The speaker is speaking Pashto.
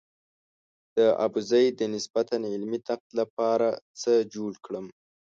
د ابوزید د نسبتاً علمي نقد لپاره څه جوړ کړم.